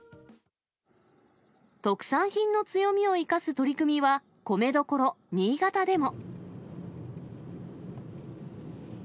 特産品の強みを生かす取り組みは、米どころ、新潟でも。